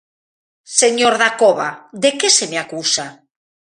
Señor Dacova, ¿de que se me acusa?